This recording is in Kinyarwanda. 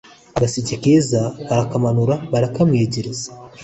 Agaseke keza barakamanura barakamwegereza